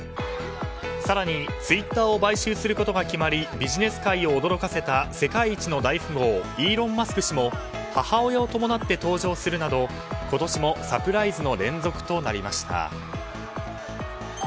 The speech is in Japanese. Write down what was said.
更に、ツイッターを買収することが決まりビジネス界を驚かせた世界一の大富豪イーロン・マスク氏も母親を伴って登場するなど今年もサプライズの連続となりました。